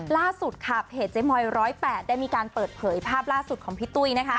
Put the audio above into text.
ล่าสุดค่ะเพจเจ๊มอย๑๐๘ได้มีการเปิดเผยภาพล่าสุดของพี่ตุ้ย